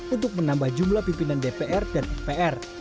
untuk menambah jumlah pimpinan dpr dan mpr